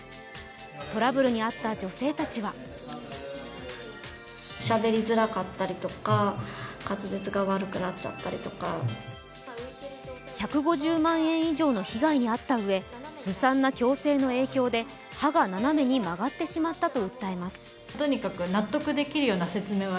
トラブルに遭った女性たちは１５０万円以上の被害に遭ったうえ、ずさんな矯正の影響で歯が斜めに曲がってしまったと訴えます。